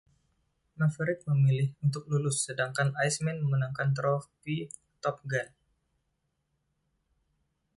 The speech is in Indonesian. Maverick memilih untuk lulus, sedangkan Iceman memenangkan Trofi Top Gun.